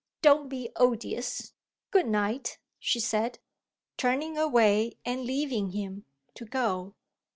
"Don't be odious! Good night," she said, turning away and leaving him to go.